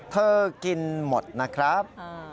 เธอกินหมดนะครับ